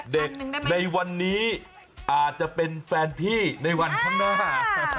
ในวันนี้อาจจะเป็นแฟนพี่ในวันข้างหน้า